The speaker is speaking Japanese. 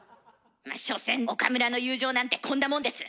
所詮岡村の友情なんてこんなもんです。